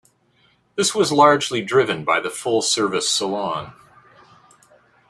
This was largely driven by the full-service salon.